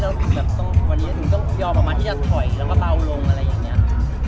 วันนี้ต้องยอมออกมาที่จะถอยแล้วก็เบาลงอะไรอย่างเนี้ย